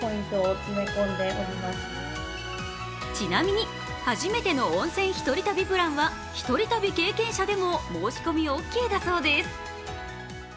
ちなみに、初めての温泉１人旅プランは、１人旅経験者でも申し込みオーケーだそうです。